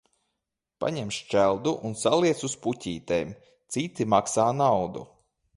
Paņem šķeldu un saliec uz puķītēm, citi maksā naudu.